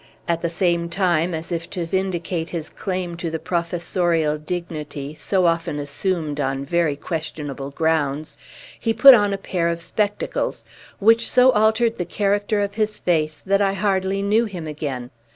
At the same time, as if to vindicate his claim to the professorial dignity, so often assumed on very questionable grounds, he put on a pair of spectacles, which so altered the character of his face that I hardly knew him again.